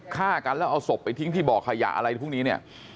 ฆ่ากันแล้วเอาศพไปทิ้งที่บ่อขยะอะไรพวกนี้เนี่ย